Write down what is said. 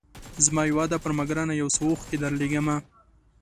زما هیواده پر ما ګرانه یو څو اوښکي درلېږمه